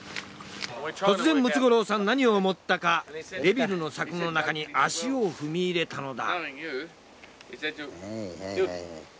突然、ムツゴロウさん何を思ったかデビルの柵の中に足を踏み入れたのだ。